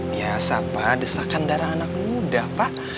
biasa pak desakan darah anak muda pak